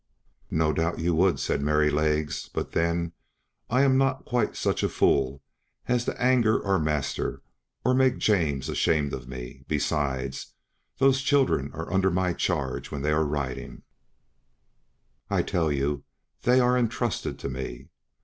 "No doubt you would," said Merrylegs; "but then I am not quite such a fool as to anger our master or make James ashamed of me; besides, those children are under my charge when they are riding; I tell you they are entrusted to me.